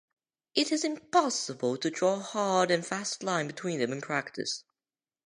It is impossible to draw a hard and fast line between them in practice.